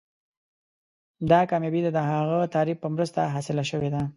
دا کامیابي د هغه تعریف په مرسته حاصله شوې ده.